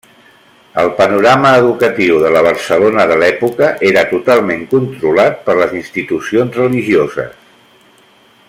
El panorama educatiu de la Barcelona de l’època era totalment controlat per les institucions religioses.